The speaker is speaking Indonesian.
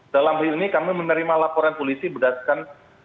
dalam hal ini kami menerima laporan polisi berdasarkan